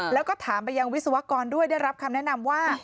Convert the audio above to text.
แล้วก็ถามไปยังวิศวกรด้วยได้รับคำแนะนำว่า